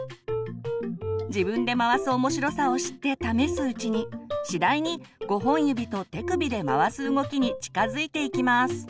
自分で回す面白さを知って試すうちに次第に５本指と手首で回す動きに近づいていきます。